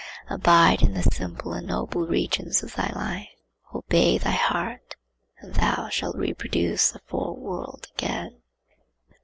Abide in the simple and noble regions of thy life, obey thy heart and thou shalt reproduce the Foreworld again.